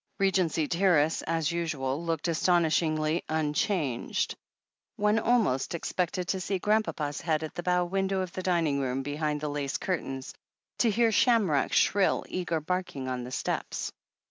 Regency Terrace, as usual, looked astonishingly un changed. One almost expected to see Grandpapa's head at the bow window of the dining room behind the lace curtains, to hear Shamrock's shrill, eager barking on the steps.